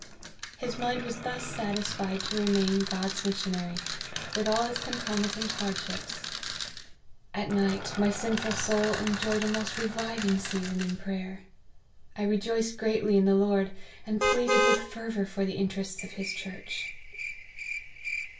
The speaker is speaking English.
His mind was thus satisfied to remain God's mission ary, with all its concomitant hardships. At night, my sinful soul .enjoyed a most reviving season in prayer ; I rejoiced greatly in the Lord, and pl6ad ed with fervour for the interests of his church."